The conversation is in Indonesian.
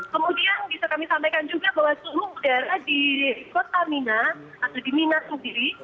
kemudian bisa kami sampaikan juga bahwa suhu udara di kota mina atau di mina sendiri